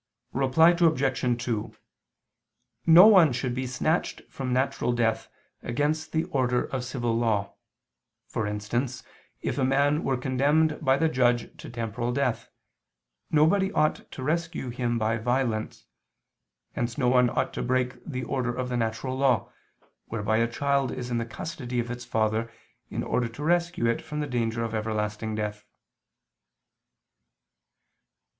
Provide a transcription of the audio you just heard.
Reply Obj. 2: No one should be snatched from natural death against the order of civil law: for instance, if a man were condemned by the judge to temporal death, nobody ought to rescue him by violence: hence no one ought to break the order of the natural law, whereby a child is in the custody of its father, in order to rescue it from the danger of everlasting death.